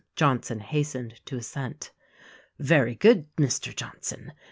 Johnson hastened to assent. "Very good, Mr. Johnson